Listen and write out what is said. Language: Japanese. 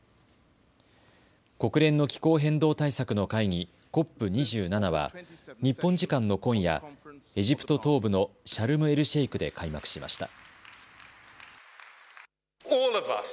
国連の気候変動対策の会議、ＣＯＰ２７は日本時間の今夜、エジプト東部のシャルムエルシェイクで開幕しました。